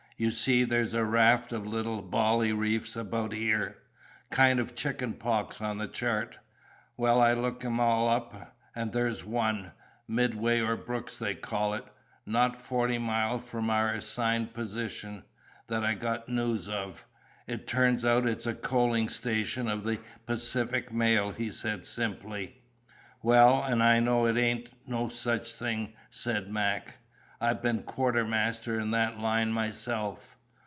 "You see there's a raft of little bally reefs about here, kind of chicken pox on the chart. Well, I looked 'em all up, and there's one Midway or Brooks they call it, not forty mile from our assigned position that I got news of. It turns out it's a coaling station of the Pacific Mail," he said, simply. "Well, and I know it ain't no such a thing," said Mac. "I been quartermaster in that line myself."